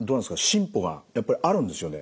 進歩がやっぱりあるんですよね？